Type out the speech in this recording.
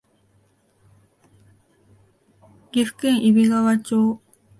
岐阜県揖斐川町